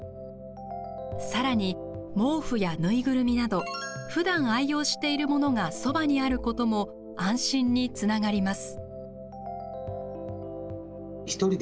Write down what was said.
さらに、毛布やぬいぐるみなどふだん愛用しているものがそばにあることも安心につながります。